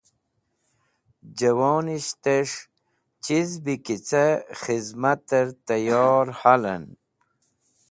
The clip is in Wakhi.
Jẽwonishtẽs̃h chizbẽ kicẽ khizmatẽr tẽyor halẽn